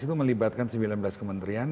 itu melibatkan sembilan belas kementerian